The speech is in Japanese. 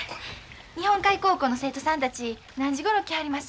日本海高校の生徒さんたち何時ごろ来はりますのん？